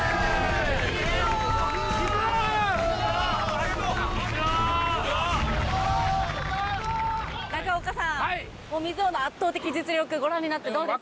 ありがとう水王中岡さん水王の圧倒的実力ご覧になってどうですか？